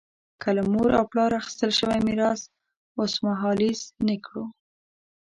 که له مور او پلار اخیستل شوی میراث اوسمهالیز نه کړو.